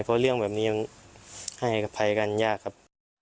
เพราะเรื่องแบบนี้ยังให้อภัยกันยากครับ